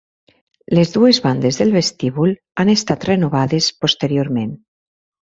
Les dues bandes del vestíbul han estat renovades posteriorment.